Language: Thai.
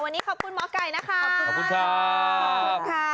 วันนี้ขอบคุณหมอไก่นะคะขอบคุณจ๊ะ